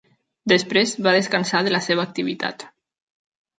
Després, va descansar de la seva activitat